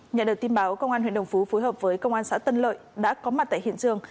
nhận được tin báo công an huyện đồng phú phối hợp với công an xã tân lợi đã có mặt tại hiện trường